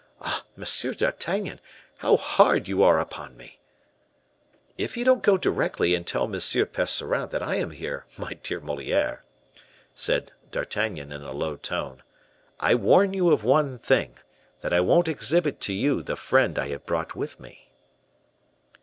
Ah! Monsieur d'Artagnan, how hard you are upon me!" "If you don't go directly and tell M. Percerin that I am here, my dear Moliere," said D'Artagnan, in a low tone, "I warn you of one thing: that I won't exhibit to you the friend I have brought with me."